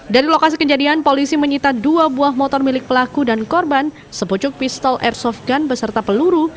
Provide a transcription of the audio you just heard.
dari lokasi kejadian polisi menyita dua buah motor milik pelaku dan korban sepucuk pistol airsoft gun beserta peluru